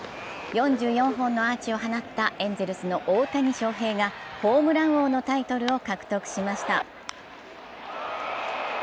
４４本のアーチを放ったエンゼルスの大谷翔平がホームラン王のタイトルを獲得しました。